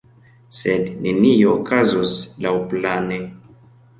Sed nenio okazos laŭplane.